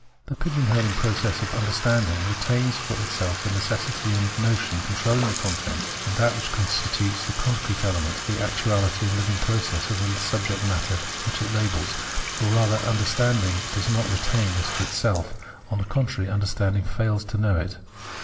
The pigeon holing process of understanding retains for itself the necessity and the notion controUing the content, that which consti tutes the concrete element, the actuahty and hving process of the subject matter which it labels : or rather, understanding does not retain this for itself, on the contrary, understanding fails to know it.